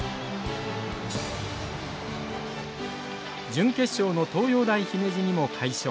準決勝の東洋大姫路にも快勝。